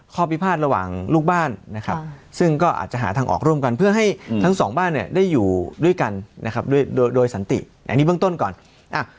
พิพาทระหว่างลูกบ้านนะครับซึ่งก็อาจจะหาทางออกร่วมกันเพื่อให้ทั้งสองบ้านเนี่ยได้อยู่ด้วยกันนะครับโดยโดยสันติอันนี้เบื้องต้นก่อน